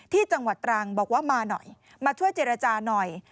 จังหวัดตรังบอกว่ามาหน่อยมาช่วยเจรจาหน่อย